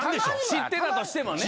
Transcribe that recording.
知ってたとしてもね。